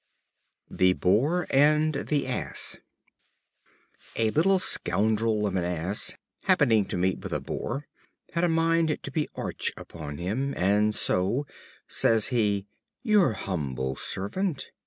The Boar and the Ass. A little scoundrel of an Ass, happening to meet with a Boar, had a mind to be arch upon him, and so, says he: "Your humble servant."